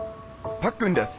パックンです